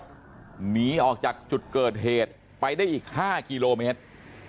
หนีออกจากจุดเกิดเหตุไปได้อีก๕กิโลเมตร